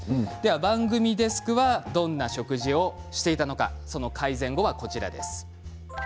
番組デスクはどんな食事をしていたのか改善後はこちらです。